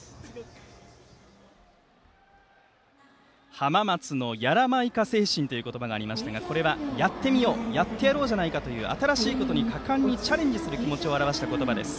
浜松のやらまいか精神という言葉がありましたがこれは、やってみようやってやろうじゃないかという新しいことに果敢にチャレンジする気持ちを表した言葉です。